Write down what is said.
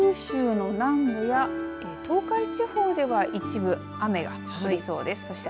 ただ、夜になると九州の南部や東海地方では一部雨が降りそうです。